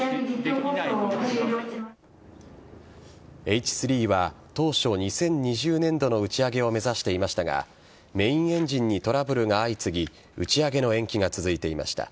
Ｈ３は当初２０２０年度の打ち上げを目指していましたがメインエンジンにトラブルが相次ぎ打ち上げの延期が続いていました。